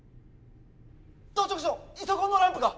当直長イソコンのランプが！